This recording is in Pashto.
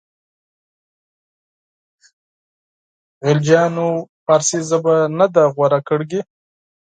خلجیانو فارسي ژبه نه ده غوره کړې.